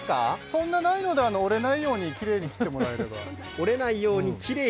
そんなないので、折れないようにきれいに切ってもらえれば。